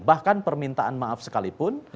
bahkan permintaan maaf sekalipun